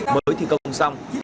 mới thi công xong